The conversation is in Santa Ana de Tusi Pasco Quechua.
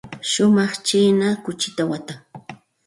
Shumaq china kuchita watan.